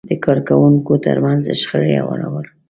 د کار کوونکو ترمنځ شخړې هوارول،